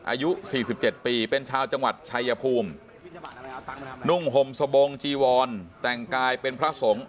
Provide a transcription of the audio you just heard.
อายุ๔๗ปีเป็นชาวจังหวัดชายภูมินุ่งห่มสบงจีวรแต่งกายเป็นพระสงฆ์